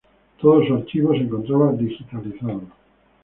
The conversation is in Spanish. Todo su archivo se encontraba digitalizado.